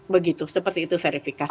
begitu seperti itu verifikasi